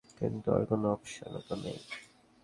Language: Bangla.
কিন্তু আর কোনো অপশনও তো নেই।